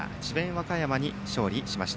和歌山に勝利しました。